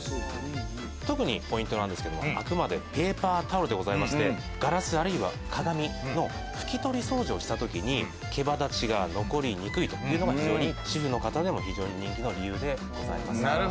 特にポイントなんですが、あくまでペーパータオルでございまして、ガラス、鏡の拭き取り掃除をした時に毛羽立ちが残りにくいというのが非常に主婦の方でも人気の理由でございます。